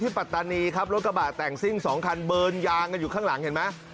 ปัตตานีครับรถกระบะแต่งซิ่ง๒คันเบิร์นยางกันอยู่ข้างหลังเห็นไหม